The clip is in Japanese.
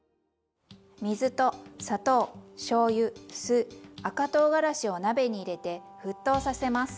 水と砂糖しょうゆ酢赤とうがらしを鍋に入れて沸騰させます。